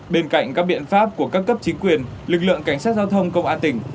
bên cạnh các biện pháp của các cấp chính quyền lực lượng cảnh sát giao thông công an tỉnh